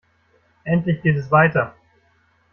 Endlich geht es weiter!